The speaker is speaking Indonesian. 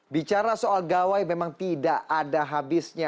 bicara soal gawai memang tidak ada habisnya